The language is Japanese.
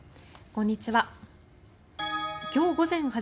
こんにちは。